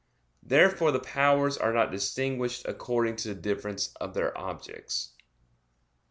Therefore the powers are not distinguished according to the difference of their objects.